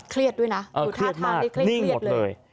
เครียดด้วยนะคลิกเครียดเลย